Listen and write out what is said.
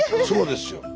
そうですよ。